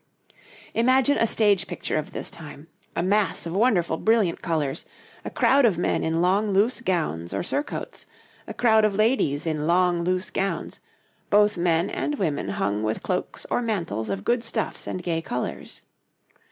Imagine a stage picture of this time: a mass of wonderful, brilliant colours a crowd of men in long, loose gowns or surcoats; a crowd of ladies in long, loose gowns; both men and women hung with cloaks or mantles of good stuffs and gay colours.